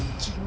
aku penuh jiwa